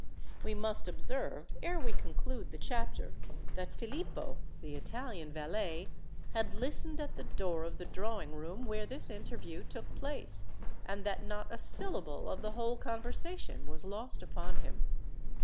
We must observe, ere we conclude the chapter, that Filippo, the Italian valet, had listened at the door of the drawing room where this interview took place; and that not a syllable of the whole conversation was lost upon him.